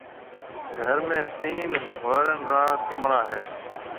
گھر ۾ تين ھوئيرڻ را ڪمرا ھيََََ